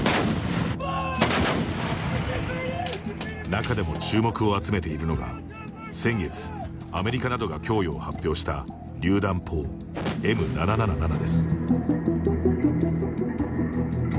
中でも、注目を集めているのが先月、アメリカなどが供与を発表したりゅう弾砲Ｍ７７７です。